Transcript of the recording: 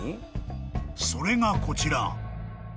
［それがこちら］